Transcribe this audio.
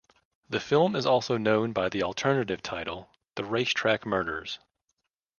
The film is also known by the alternative title The Racetrack Murders.